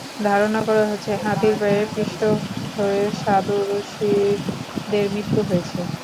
ধারণা করা হচ্ছে, হাতির পায়ে পিষ্ট হয়ে সাদু রশিদের মৃত্যু হয়েছে।